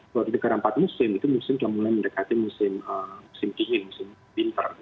kalau di negara empat musim itu musim sudah mulai mendekati musim dingin musim pinter